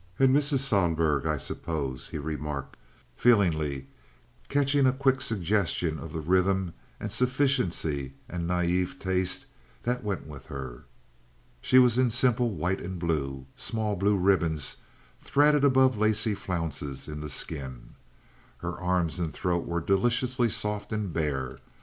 "And Mrs. Sohlberg, I suppose," he remarked, feelingly, catching a quick suggestion of the rhythm and sufficiency and naive taste that went with her. She was in simple white and blue—small blue ribbons threaded above lacy flounces in the skin. Her arms and throat were deliciously soft and bare.